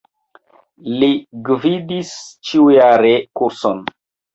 Li gvidis ĉiujare kurson.